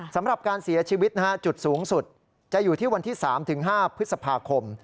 สำหรับการเสียชีวิตจุดสูงสุดจะอยู่ที่วันที่๓๕พฤษภาคม